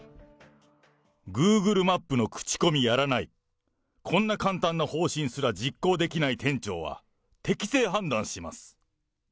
グーグルマップの口コミやらない、こんな簡単な方針すら実行できない店長は、適性判断します。